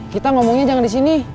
kita ngomongnya jangan di sini